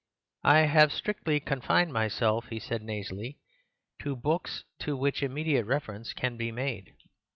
"I have strictly CON fined myself," he said nasally, "to books to which immediate reference can be made.